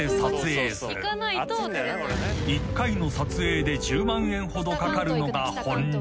［１回の撮影で１０万円ほどかかるのが本流］